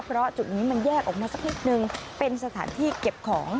เพราะจุดนี้มันแยกออกมาสักนิดนึงเป็นสถานที่เก็บของ